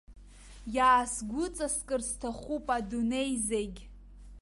Иаасгәыҵаскыр сҭахуп адунеи зегь.